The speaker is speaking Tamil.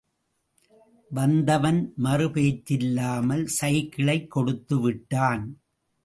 வந்தவன் மறுப்பேச்சில்லாமல் சைக்கிளைக் கொடுத்துவிட்டான்.